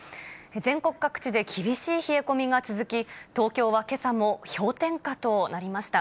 全国各地で厳しい冷え込みが続き、東京はけさも氷点下となりました。